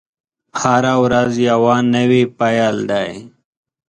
هره ورځ یوه نوې پیل دی.